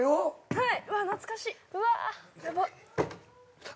はい。